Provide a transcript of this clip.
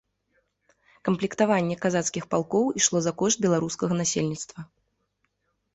Камплектаванне казацкіх палкоў ішло за кошт беларускага насельніцтва.